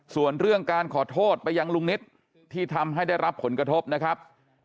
ส่วนเรื่องการขอโทษไปยังลุงนิตที่ทำให้ได้รับผลกระทบนะครับ